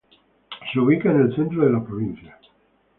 Se ubica en el centro de la provincia.